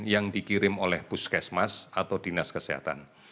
yang dikirim oleh puskesmas atau dinas kesehatan